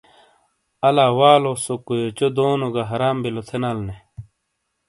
الا والو سو کویوچو دونوں گہ حرام بیلو تھینالے نے ۔